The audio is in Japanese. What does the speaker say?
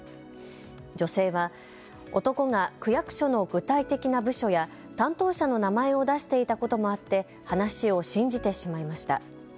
女性は男が区役所の具体的な部署や担当者の名前を出していたこともあって話を信じてしまいました。